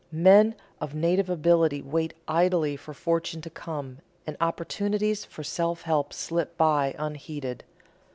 Men of native ability wait idly for fortune to come, and opportunities for self help slip by unheeded.